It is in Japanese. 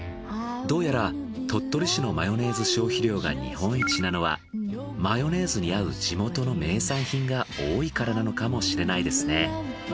どうやら鳥取市のマヨネーズ消費量が日本一なのはマヨネーズに合う地元の名産品が多いからなのかもしれないですね。